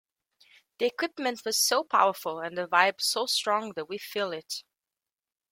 The equipment was so powerful and the vibe so strong that we feel it.